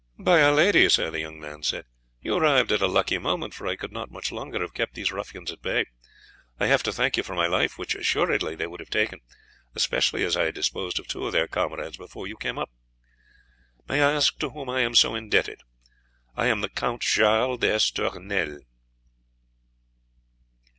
"By our Lady, sir," the young man said, "you arrived at a lucky moment, for I could not much longer have kept these ruffians at bay. I have to thank you for my life, which, assuredly, they would have taken, especially as I had disposed of two of their comrades before you came up. May I ask to whom I am so indebted? I am Count Charles d'Estournel."